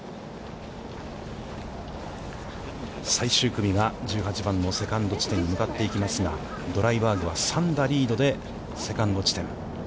最終組が１８番のセカンド地点に向かって行きますが、ドライバーグは３打リードで、セカンド地点。